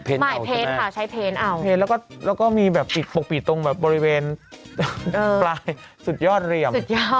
เพนต์ค่ะใช้เพนต์เอาแล้วก็มีปลิกปกปิดตรงบริเวณปลายสุดยอดเรียม